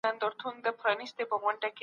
څېړني د نویو معلوماتو سرچینه ده.